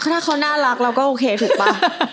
ถ้าเขาน่ารักเราก็โอเคถูกป่ะ